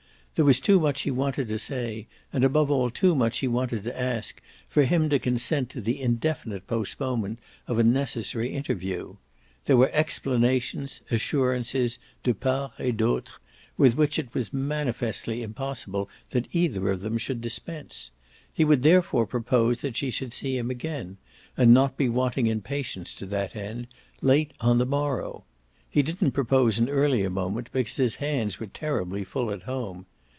There was too much he wanted to say, and above all too much he wanted to ask, for him to consent to the indefinite postponement of a necessary interview. There were explanations, assurances, de part et d'autre, with which it was manifestly impossible that either of them should dispense. He would therefore propose that she should see him again, and not be wanting in patience to that end, late on the morrow. He didn't propose an earlier moment because his hands were terribly full at home.